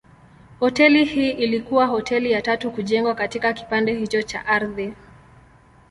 Hoteli hii ilikuwa hoteli ya tatu kujengwa katika kipande hicho cha ardhi.